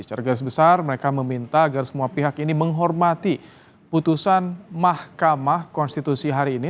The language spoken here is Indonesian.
secara garis besar mereka meminta agar semua pihak ini menghormati putusan mahkamah konstitusi hari ini